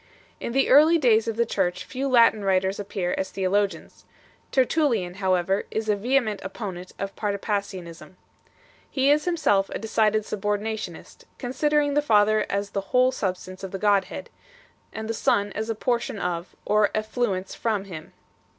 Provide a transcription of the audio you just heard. In the early days of the Church few Latin writers appear as theologians. Tertullian, however, is a vehement opponent of Patripassianism. He is himself a decided subordinationist, considering the Father as the whole sub stance of the Godhead, and the Son as a portion of, or effluence from, Him 1 .